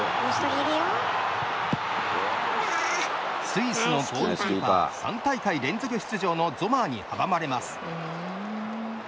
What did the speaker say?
スイスのゴールキーパー３大会連続出場のゾマーに阻まれます。